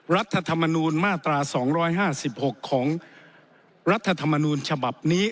รัฐธรรมนูลมาตรา๒๕๖ของรัฐธรรมนูญฉบับนี้